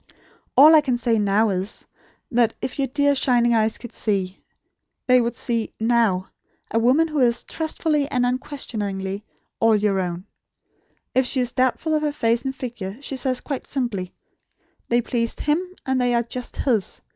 All I can say now is: that, if your dear shining eyes could see, they would see, NOW, a woman who is, trustfully and unquestioningly, all your own. If she is doubtful of her face and figure, she says quite simply: 'They pleased HIM; and they are just HIS.